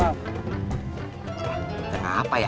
umi ada apa ya